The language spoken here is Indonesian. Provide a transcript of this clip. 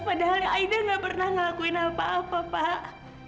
padahal aida gak pernah ngelakuin apa apa pak